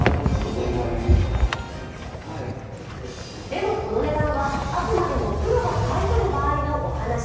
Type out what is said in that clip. でもこの値段はあくまでもプロが買い取る場合のお話。